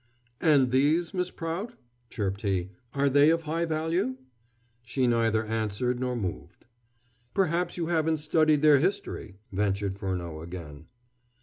"And these, Miss Prout?" chirped he, "are they of high value?" She neither answered nor moved. "Perhaps you haven't studied their history?" ventured Furneaux again.